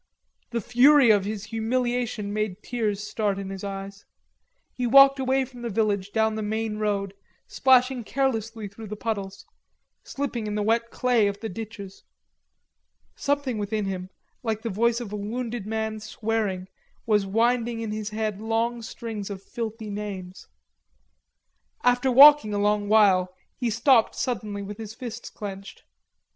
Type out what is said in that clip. The fury of his humiliation made tears start in his eyes. He walked away from the village down the main road, splashing carelessly through the puddles, slipping in the wet clay of the ditches. Something within him, like the voice of a wounded man swearing, was whining in his head long strings of filthy names. After walking a long while he stopped suddenly with his fists clenched.